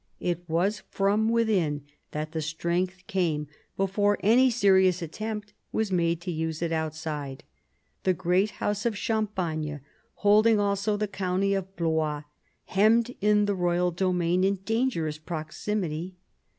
It was from within that the strength came before any serious attempt was made to use it outside. The great house of Champagne, holding also the county of Blois, hemmed in the royal domain in dangerous proximity.